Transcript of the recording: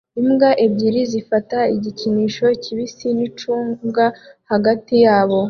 Imbwa ebyiri zifata igikinisho kibisi nicunga hagati yabo